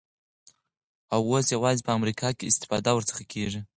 او اوس یوازی په امریکا کي استفاده ورڅخه کیږی